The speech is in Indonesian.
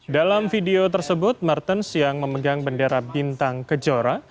dalam video tersebut martin siang memegang bendera bintang kejora